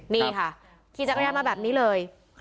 นี่ค่ะขี่จักรยานมาแบบนี้เลย